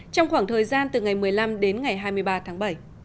trong khoảng thời gian từ ngày một mươi năm đến ngày hai mươi ba tháng bảy